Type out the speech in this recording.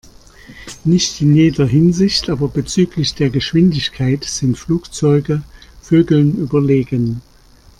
Nicht in jeder Hinsicht, aber bezüglich der Geschwindigkeit sind Flugzeuge Vögeln überlegen.